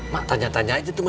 mak tanya tanya aja